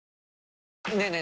ねえねえ